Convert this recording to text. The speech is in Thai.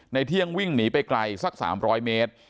เที่ยงวิ่งหนีไปไกลสัก๓๐๐เมตร